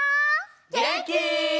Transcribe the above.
げんき？